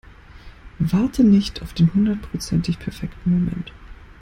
Warte nicht auf den hundertprozentig perfekten Moment.